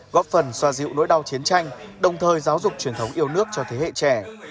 góp phần xoa dịu nỗi đau chiến tranh đồng thời giáo dục truyền thống yêu nước cho thế hệ trẻ